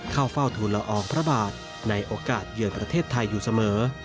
เข้าเฝ้าทุนละอองพระบาทในโอกาสเยือนประเทศไทยอยู่เสมอ